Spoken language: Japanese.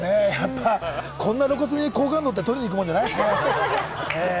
こんなに露骨に好感度を取りに行くもんじゃないですね。